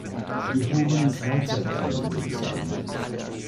Gehobene Freizeitkleidung würde ich sagen.